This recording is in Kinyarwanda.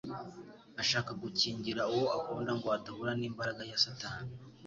Ashaka gukingira uwo akunda ngo adahura n'imbaraga ya Satani